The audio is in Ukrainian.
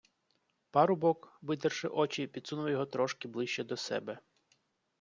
Парубок, витерши очі, підсунув його трошки ближче до себе.